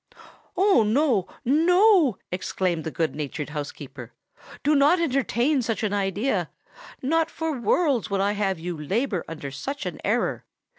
"Oh! no—no," exclaimed the good natured housekeeper; "do not entertain such an idea! Not for worlds would I have you labour under such an error.